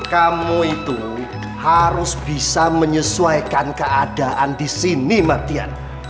kamu itu harus bisa menyesuaikan keadaan disini mardian